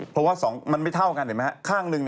เพราะว่ามันไม่เท่ากันเห็นมั้ยครับ